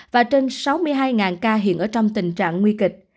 và trên sáu mươi hai ca hiện ở trong tình trạng nguy kịch